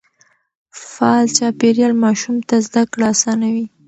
فعال چاپېريال ماشوم ته زده کړه آسانوي.